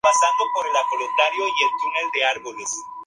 Durante la Primera Guerra Mundial se dedicó al fomento del trabajo femenino.